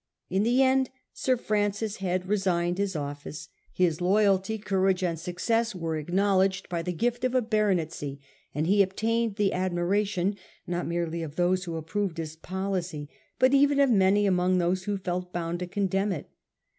In the end Sir Francis Head re signed his office. His loyalty, courage and success were acknowledged by the gift of a baronetcy ; and he obtained the admiration not merely of those who approved his policy, but even of many among those who felt bound to condemn it.